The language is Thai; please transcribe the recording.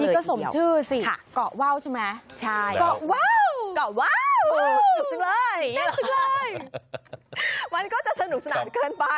นี่ก็สมชื่อสิเกาะว่าวใช่ไหมแตนต์สุดเลยมันก็จะสนุกสนานเคลิบไป